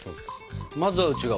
まずは内側。